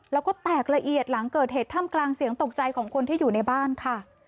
แล้วก็แตกละเอียดหลังเกิดเหตุท่ามกลางเสียงตกใจของคนที่อยู่ในบ้านค่ะ